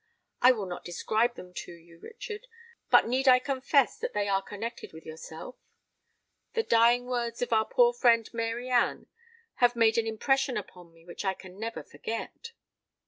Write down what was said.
I will not describe them to you, Richard; but need I confess that they are connected with yourself? The dying words of our poor friend Mary Anne have made an impression upon me which I can never forget."